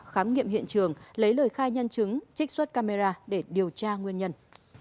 khám nghiệm hiện trường lấy lời khai nhân chứng trích xuất camera để điều tra nguyên nhân